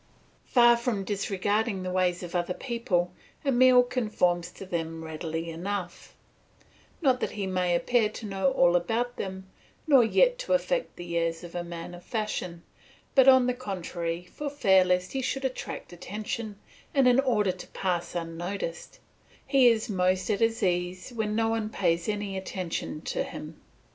Far from disregarding the ways of other people, Emile conforms to them readily enough; not that he may appear to know all about them, nor yet to affect the airs of a man of fashion, but on the contrary for fear lest he should attract attention, and in order to pass unnoticed; he is most at his ease when no one pays any attention to him.